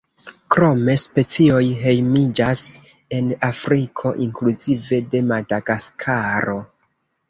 Krome specioj hejmiĝas en Afriko inkluzive de Madagaskaro.